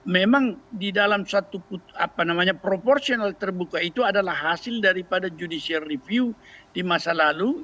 memang di dalam satu proporsional terbuka itu adalah hasil daripada judicial review di masa lalu